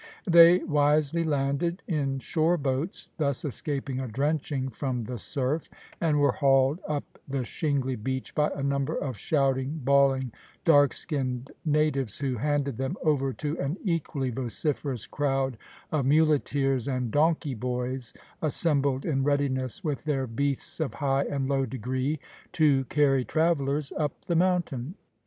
They wisely landed in shore boats, thus escaping a drenching from the surf, and were hauled up the shingly beach by a number of shouting, bawling, dark skinned natives, who handed them over to an equally vociferous crowd of muleteers and donkey boys, assembled in readiness with their beasts of high and low degree, to carry travellers up the mountain.